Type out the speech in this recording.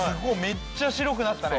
めっちゃ白くなったね